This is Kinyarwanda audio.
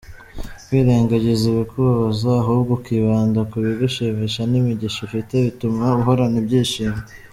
kwirengagiza ibikubabaza ahubwo ukibanda kubigushimisha n’imigisha ufite bituma uhorana ibyishimo.